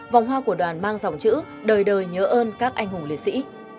vòng hoa của đoàn mang dòng chữ đời đời nhớ ơn các anh hùng liệt sĩ